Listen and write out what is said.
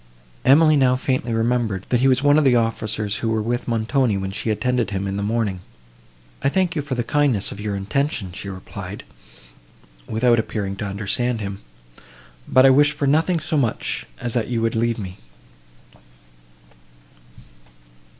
Emily now faintly remembered, that he was one of the officers who were with Montoni when she attended him in the morning. "I thank you for the kindness of your intention," she replied, without appearing to understand him, "but I wish for nothing so much as that you would leave me."